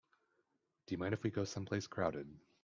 Do you mind if we go someplace crowded?